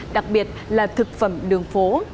đặc biệt là thực phẩm đường phố